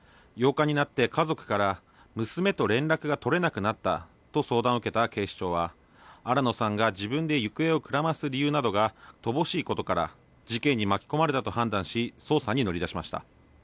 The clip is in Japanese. ８日になって家族から、娘と連絡が取れなくなったと相談を受けた警視庁は、新野さんが自分で行方をくらます理由などが乏しいことから、事件に巻き込まれたと判断し、捜査に乗り出しました。